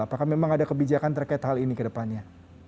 apakah memang ada kebijakan terkait hal ini ke depannya